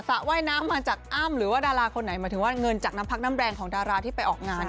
ว่ายน้ำมาจากอ้ำหรือว่าดาราคนไหนหมายถึงว่าเงินจากน้ำพักน้ำแรงของดาราที่ไปออกงาน